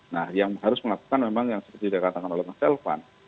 nah yang harus melakukan memang yang seperti dikatakan oleh mas elvan